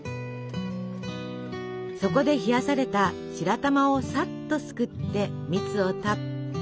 そこで冷やされた白玉をさっとすくって蜜をたっぷり。